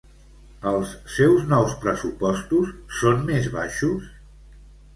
Els seus nous pressupostos, són més baixos?